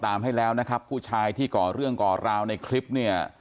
ตามให้แล้วนะครับผู้ชายที่ก่อเรื่องก่อราวในคลิปเนี่ย